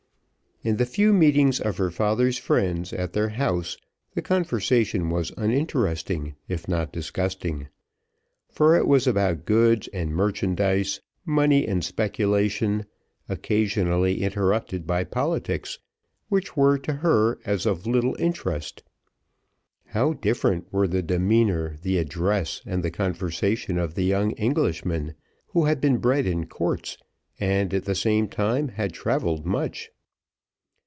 In the few meetings of her father's friends at their house, the conversation was uninteresting, if not disgusting; for it was about goods and merchandise, money and speculation, occasionally interrupted by politics, which were to her of as little interest. How different was the demeanour, the address, and the conversation of the young Englishman, who had been bred in courts, and, at the same time, had travelled much!